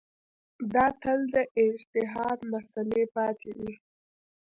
دا تل د اجتهاد مسأله پاتې وي.